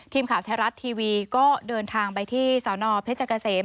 ทีมข่าวไทยรัฐทีวีก็เดินทางไปที่สนเพชรเกษม